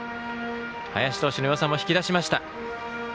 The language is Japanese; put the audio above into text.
林投手のよさも引き出しました。